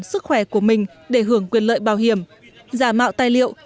sức khỏe của mình để hưởng quyền lợi bảo hiểm giả mạo tài liệu